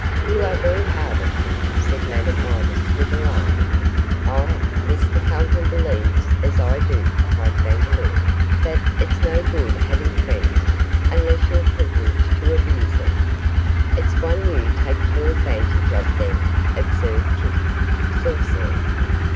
'You are very hard on him,' said Madame Midas, with a laugh. 'Ah! Mr Calton believes as I do,' cried Vandeloup, 'that it's no good having friends unless you're privileged to abuse them.' 'It's one you take full advantage of, then,' observed Kitty, saucily.